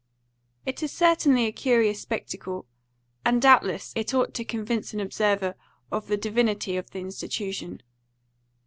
It is certainly a curious spectacle, and doubtless it ought to convince an observer of the divinity of the institution.